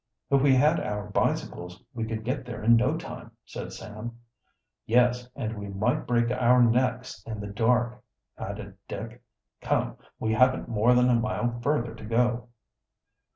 "If we had our bicycles we could get there in no time," said Sam. "Yes, and we might break our necks in the dark," added Dick. "Come, we haven't more than a mile further to go."